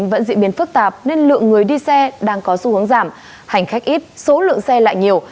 vẫn diễn biến phức tạp nên lượng người đi xe đang có xu hướng giảm hành khách ít số lượng xe lại nhiều